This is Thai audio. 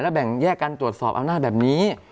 แบ่งแยกการตรวจสอบอำนาจแบบนี้